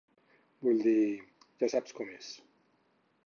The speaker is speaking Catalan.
Vull dir... Ja saps com és.